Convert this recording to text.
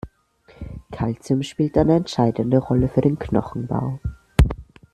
Calcium spielt eine entscheidende Rolle für den Knochenbau.